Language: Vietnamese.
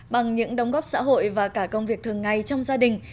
bằng những đóng góp xã hội và cả công việc thường ngày trong gia đình